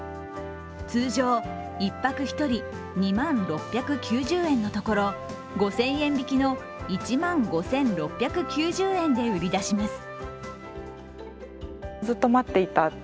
通常１泊１人２万６９０円のところ５０００円引きの１万５６９０円で売り出します。